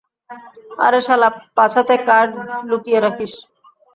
আরে শালা পাছাতে কার্ড লুকিয়ে রাখিস।